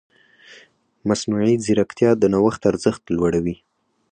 مصنوعي ځیرکتیا د نوښت ارزښت لوړوي.